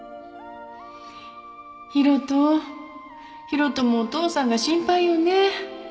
啓人啓人もお父さんが心配よね？